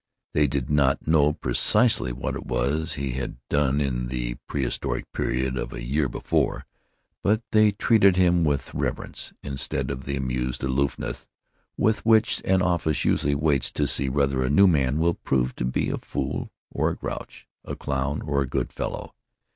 They did not know precisely what it was he had done in the pre historic period of a year before, but they treated him with reverence instead of the amused aloofness with which an office usually waits to see whether a new man will prove to be a fool or a "grouch," a clown or a good fellow.